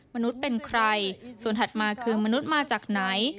มนุษย์เป็นใครส่วนถัดมาคือมนุษย์มาจากไหน